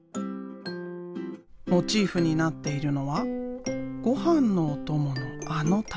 モチーフになっているのはごはんのお供のあの食べ物。